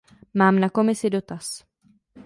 Mám na Komisi dotaz.